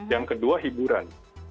yang kedua hiburan